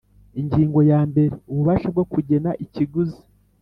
Ingingo ya mbere Ububasha bwo kugena ikiguzi